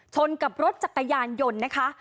ชนกับรถจักรยานยนต์นะคะ